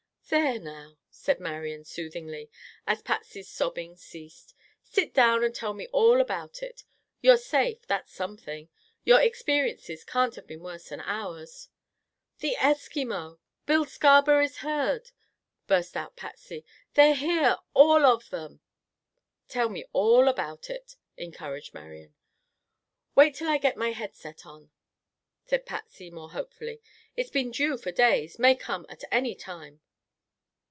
"There now," said Marian, soothingly, as Patsy's sobbing ceased, "sit down and tell me all about it. You're safe; that's something. Your experiences can't have been worse than ours." "The Eskimo! Bill Scarberry's herd!" burst out Patsy, "They're here. All of them!" "Tell me all about it," encouraged Marian. "Wait till I get my head set on," said Patsy, more hopefully. "It's been due for days; may come at any time."